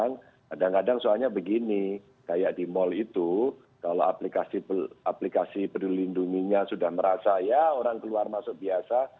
kadang kadang soalnya begini kayak di mall itu kalau aplikasi peduli lindunginya sudah merasa ya orang keluar masuk biasa